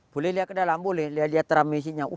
boleh lihat ke dalam